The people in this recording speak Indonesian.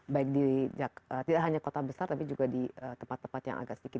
baik di tidak hanya kota besar tapi juga di tempat tempat yang agak sedikit